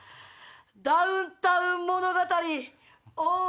『ダウンタウン物語ＯＨ！